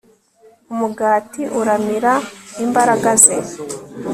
umugati uramira imbaraga ze